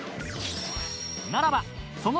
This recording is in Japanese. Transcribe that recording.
［ならばその］